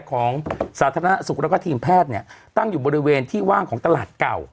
สาธารณสุขแล้วก็ทีมแพทย์เนี่ยตั้งอยู่บริเวณที่ว่างของตลาดเก่า